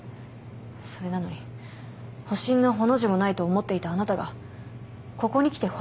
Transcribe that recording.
それなのに保身の「ほ」の字もないと思っていたあなたがここにきて保身ですか。